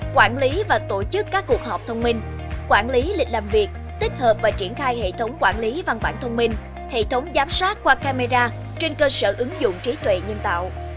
quản lý và tổ chức các cuộc họp thông minh quản lý lịch làm việc tích hợp và triển khai hệ thống quản lý văn bản thông minh hệ thống giám sát qua camera trên cơ sở ứng dụng trí tuệ nhân tạo